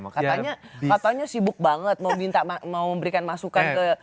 katanya katanya sibuk banget mau memberikan masukan ke